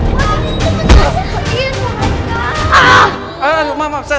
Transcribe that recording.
wah ini tuh penjelasan